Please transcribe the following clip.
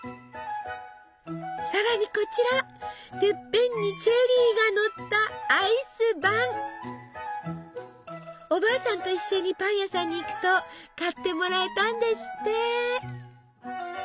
さらにこちらてっぺんにチェリーがのったおばあさんと一緒にパン屋さんに行くと買ってもらえたんですって！